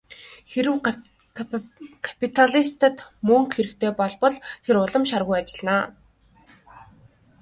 Хэрэв капиталистад мөнгө хэрэгтэй болбол тэр улам шаргуу ажиллана.